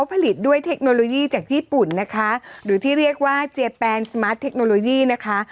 ผลิตด้วยเทคโนโลยีจากญี่ปุ่นนะคะหรือที่เรียกว่าเจแปนสมาร์ทเทคโนโลยีนะคะ